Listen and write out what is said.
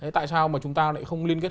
tại sao mà chúng ta lại không liên kết